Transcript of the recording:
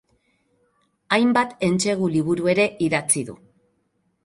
Hainbat entsegu liburu ere idatzi du.